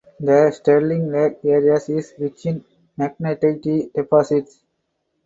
The Sterling Lake area is rich in magnetite deposits.